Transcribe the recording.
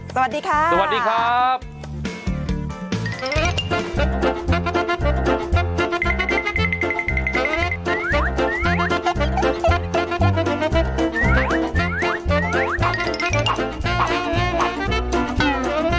สวัสดีค่ะสวัสดีครับสวัสดีครับ